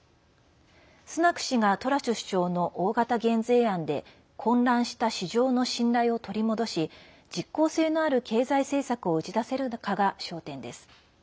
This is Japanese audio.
スナク氏がトラス首相の大型減税案で混乱した市場の信頼を取り戻し実効性のある経済政策を打ち出せるかが焦点です。